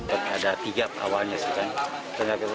untuk ada tiga awalnya sih kan